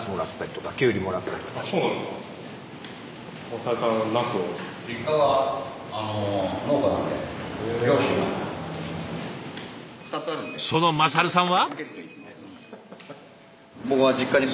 その優さんは？